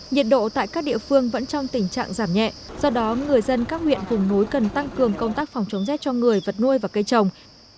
nhiệt độ tại các địa phương vẫn trong tình trạng giảm nhẹ do đó người dân các huyện vùng núi cần tăng cường công tác phòng chống rét cho người vật nuôi và cây trồng